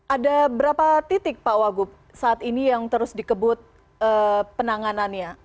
ada berapa titik pak wagub saat ini yang terus dikebut penanganannya